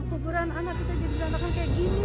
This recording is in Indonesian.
kukuran anak kita jadi berantakan kayak gini